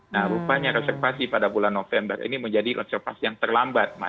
nah rupanya reservasi pada bulan november ini menjadi observasi yang terlambat